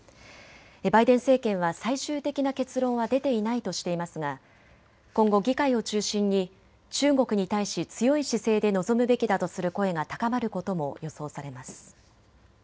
バイデン政権は最終的な結論は出ていないとしていますが今後、議会を中心に中国に対し強い姿勢で臨むべきだとする声が高まることも予想されます。